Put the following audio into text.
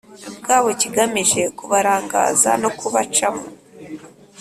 bwabo kigamije kubarangaza no kubacamo